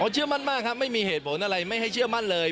เชื่อมั่นมากครับไม่มีเหตุผลอะไรไม่ให้เชื่อมั่นเลย